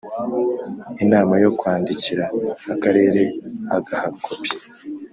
Inama yo kwandikira Akarere agaha kopi